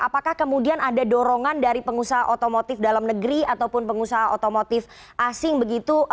apakah kemudian ada dorongan dari pengusaha otomotif dalam negeri ataupun pengusaha otomotif asing begitu